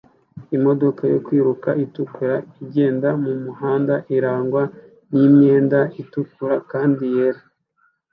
Imodoka yo kwiruka itukura igenda mumuhanda irangwa nimyenda itukura kandi yera